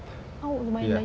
oh lumayan banyak